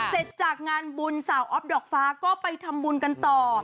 เสร็จจากงานบุญสาวอ๊อฟดอกฟ้าก็ไปทำบุญกันต่อ